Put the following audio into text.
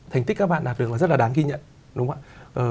thành tích các bạn đạt được là rất là đáng ghi nhận đúng không ạ